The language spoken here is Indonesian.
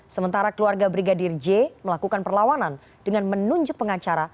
sementara keluarga brigadir j melakukan perlawanan dengan menunjuk pengacara